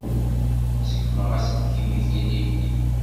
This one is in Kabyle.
Ṣeggmeɣ aselkim-ik ilindi.